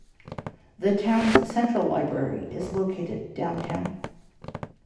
The town's central library is located downtown.